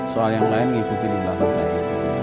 soal yang lain ngikutin allah saya